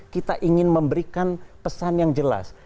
kita ingin memberikan pesan yang jelas